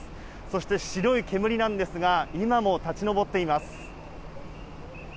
そして、白い煙なんですが、今も立ち上っています。